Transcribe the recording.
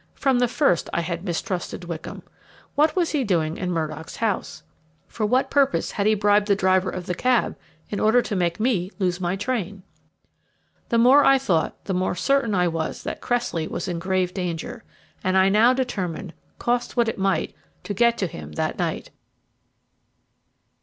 From the first I had mistrusted Wickham. What was he doing in Murdock's house? For what purpose had he bribed the driver of the cab in order to make me lose my train? The more I thought, the more certain I was that Cressley was in grave danger; and I now determined, cost what it might, to get to him that night.